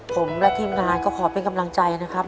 ผมและทีมงานก็ขอเป็นกำลังใจนะครับ